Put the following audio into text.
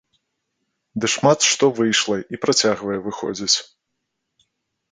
Ды шмат што выйшла і працягвае выходзіць.